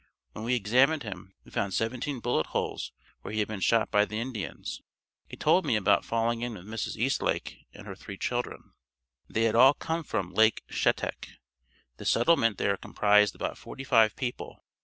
When we examined him, we found seventeen bullet holes where he had been shot by the Indians. He told me about falling in with Mrs. Eastlake and her three children. They had all come from Lake Shetek. The settlement there comprised about forty five people.